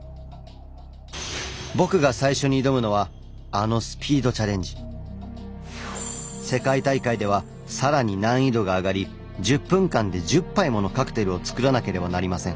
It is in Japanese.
僕が最初に挑むのはあの世界大会では更に難易度が上がり１０分間で１０杯ものカクテルを作らなければなりません。